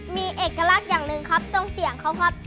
มีเอกลักษณ์อย่างหนึ่งครับต้องเสี่ยงเขาครับ